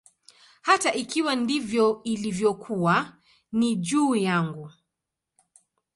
Hata ikiwa ndivyo ilivyokuwa, ni juu yangu.